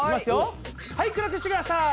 はい暗くしてください！